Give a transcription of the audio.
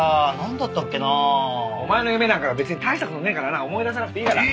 お前の夢なんか別に大した事ねえからな思い出さなくていいから。